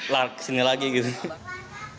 lark sini lagi gitu